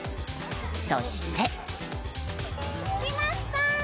そして。